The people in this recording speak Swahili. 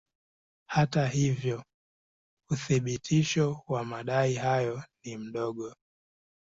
Hata hivyo uthibitisho wa madai hayo ni mdogo.